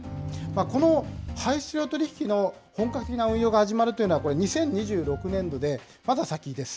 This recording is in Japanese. この排出量取引の本格的な運用が始まるというのは、これ、２０２６年度で、まだ先です。